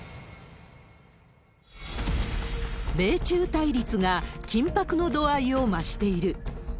米中対立が緊迫の度合いを増している。